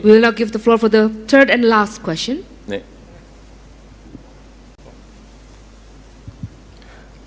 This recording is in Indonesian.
kita tidak memberikan ruang untuk pertanyaan ketiga dan terakhir